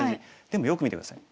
でもよく見て下さい。